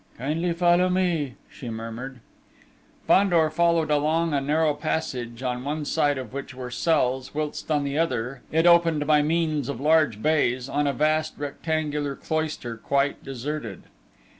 "Kindly follow me," she murmured. Fandor followed along a narrow passage, on one side of which were cells, whilst on the other, it opened by means of large bays, on a vast rectangular cloister quite deserted.